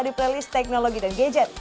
di playlist teknologi dan gadget